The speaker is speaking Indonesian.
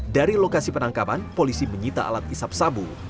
dari lokasi penangkapan polisi menyita alat isap sabu